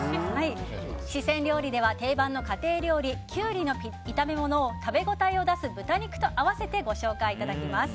四川料理では定番の家庭料理キュウリの炒め物を食べ応えを出す豚肉と合わせてご紹介いただきます。